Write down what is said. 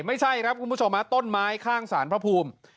ไม่ใช่ครับคุณผู้ชมต้นไม้ข้างสารพระภูมิ